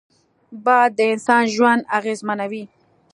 باد د انسان ژوند اغېزمنوي